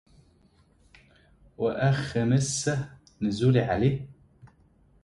وأخ مسه نزولي عليه